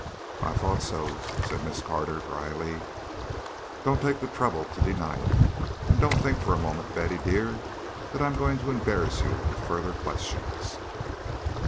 "I thought so," said Miss Carter, dryly. "Don't take the trouble to deny it. And don't think for a moment, Betty dear, that I am going to embarrass you with further questions.